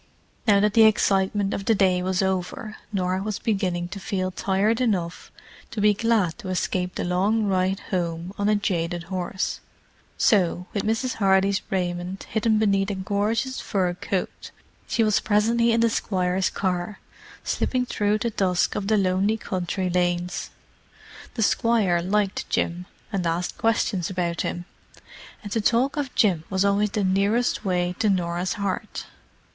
Now that the excitement of the day was over, Norah was beginning to feel tired enough to be glad to escape the long ride home on a jaded horse. So, with Mrs. Hardy's raiment hidden beneath a gorgeous fur coat, she was presently in the Squire's car, slipping through the dusk of the lonely country lanes. The Squire liked Jim, and asked questions about him: and to talk of Jim was always the nearest way to Norah's heart.